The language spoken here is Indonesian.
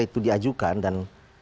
itu diajukan dan